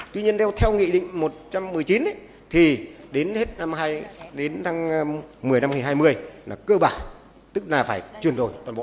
tuy nhiên theo nghị định một trăm một mươi chín đến một mươi năm hai nghìn hai mươi là cơ bản tức là phải chuyển đổi toàn bộ